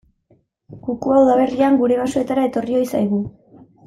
Kukua udaberrian gure basoetara etorri ohi zaigu.